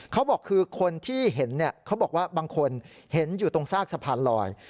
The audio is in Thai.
เขาบอกคือคนที่เห็นเขาบอกว่าบางคนเห็นอยู่ตรงซากสะพานลอย